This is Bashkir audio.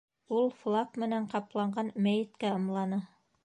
Ул флаг менән ҡапланған мәйеткә ымланы.